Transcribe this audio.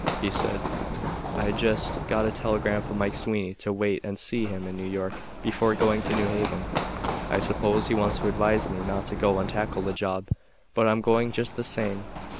He said: "I just got a telegram from Mike Sweeney to wait and see him in New York before going to New Haven. I suppose he wants to advise me not to go and tackle the job, but I'm going just the same.